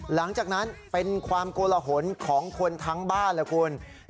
หลังจากนั้นเป็นความโกลหนของคนทั้งบ้านล่ะคุณ